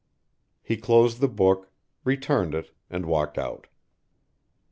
He closed the book, returned it, and walked out.